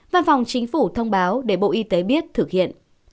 văn phòng chính phủ thông báo để bộ y tế biết thực hiện